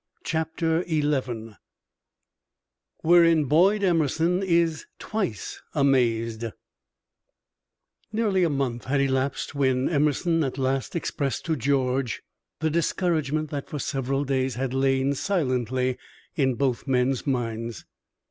CHAPTER XI WHEREIN BOYD EMERSON IS TWICE AMAZED Nearly a month had elapsed when Emerson at last expressed to George the discouragement that for several days had lain silently in both men's minds.